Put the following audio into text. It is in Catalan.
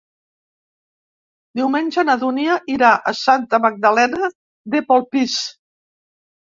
Diumenge na Dúnia irà a Santa Magdalena de Polpís.